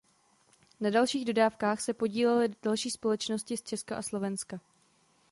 Na dalších dodávkách se podílely další společností z Česka a Slovenska.